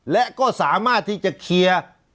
และก็สามารถที่จะเคลียร์